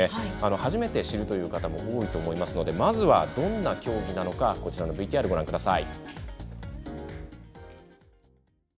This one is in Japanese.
初めて知るという方も多いと思いますのでまずはどんな競技かＶＴＲをご覧ください。